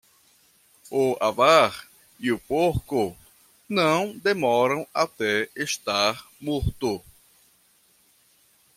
O avar e o porco, não demoram até estar morto.